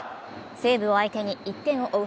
西武を相手に１点を追う